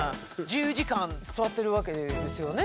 １０時間座ってるわけですよね